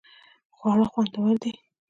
خواړه خوندور دې